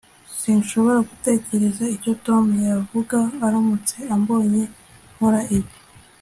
sinshobora gutekereza icyo tom yavuga aramutse ambonye nkora ibi